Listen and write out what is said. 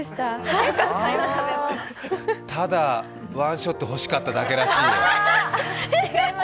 あ、ただワンショット欲しかっただけらしいよ。